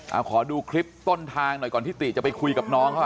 เอาขอดูคลิปต้นทางหน่อยก่อนที่ติจะไปคุยกับน้องเขา